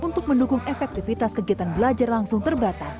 untuk mendukung efektivitas kegiatan belajar langsung terbatas